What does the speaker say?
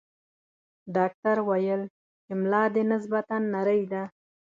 ډاکټر ویل چې ملا دې نسبتاً نرۍ ده.